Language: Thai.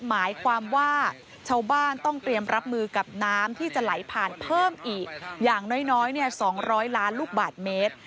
หมายความว่าชาวบ้านต้องเตรียมรับมือกับน้ำที่จะไหลผ่านเพิ่มอีกอย่างน้อย๒๐๐ล้านลูกบาทเมตร